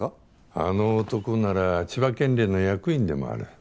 あの男なら千葉県連の役員でもある。